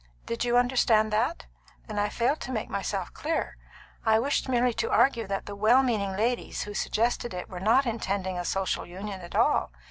"Did you understand that? Then I failed to make myself clear. I wished merely to argue that the well meaning ladies who suggested it were not intending a social union at all.